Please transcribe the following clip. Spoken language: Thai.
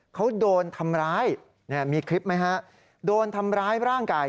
เขาโดนทำร้ายเนี่ยมีคลิปไหมฮะโดนทำร้ายร่างกาย